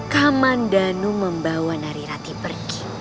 kamandanu membawa narirati pergi